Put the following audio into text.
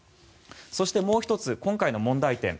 そして、もう１つ今回の問題点。